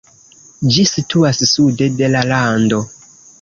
Ĝi situas sude de la lando.